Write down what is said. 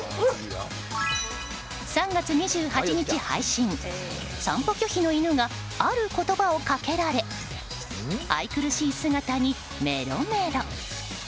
３月２８日配信散歩拒否中の犬がある言葉をかけられ愛くるしい姿にメロメロ。